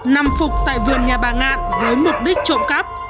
nằm phục tại vườn nhà bà ngạn với mục đích trộm cắp